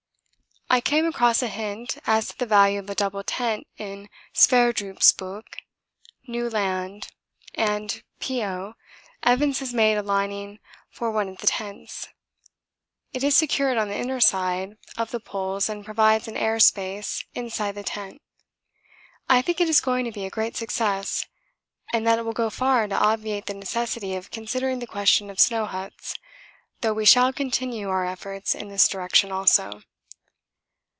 I came across a hint as to the value of a double tent in Sverdrup's book, 'New Land,' and (P.O.) Evans has made a lining for one of the tents; it is secured on the inner side of the poles and provides an air space inside the tent. I think it is going to be a great success, and that it will go far to obviate the necessity of considering the question of snow huts though we shall continue our efforts in this direction also.